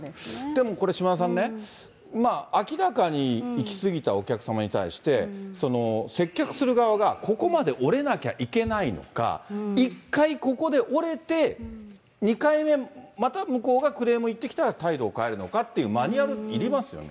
これ島田さんね、明らかにいきすぎたお客様に対して、接客する側がここまで折れなきゃいけないのか、１回ここで折れて、２回目、また向こうがクレーム言ってきたら、態度を変えるのかっていうマニュアルいりますよね。